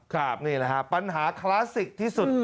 ครับนี่แหละฮะปัญหาคลาสสิกที่สุด